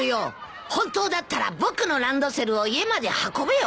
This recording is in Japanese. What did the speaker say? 本当だったら僕のランドセルを家まで運べよ！